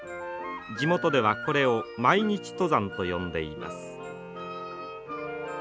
地元ではこれを「毎日登山」と呼んでいます。